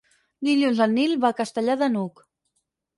Dilluns en Nil va a Castellar de n'Hug.